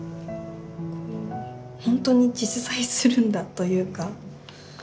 本当に実在するんだというか。